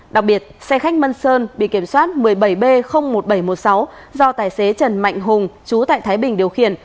đặc biệt xe khách mân sơn bị kiểm soát một mươi bảy b một nghìn bảy trăm một mươi sáu do tài xế trần mạnh hùng chú tại thái bình điều khiển